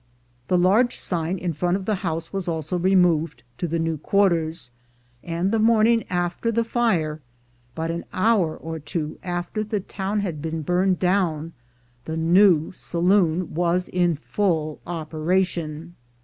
The large sign in front of the house was also removed to the new quarters, and the morning after the fire — but an hour or two after the town had been burned down — the new saloon was in full operation.